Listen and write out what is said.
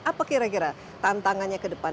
apa kira kira tantangannya ke depan